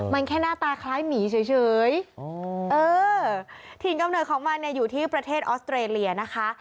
มันแค่หน้าตาคล้ายหมีเฉยเออถิ่นกำเนิดของมันเนี่ยอยู่ที่ประเทศออสเตรเลียนะคะ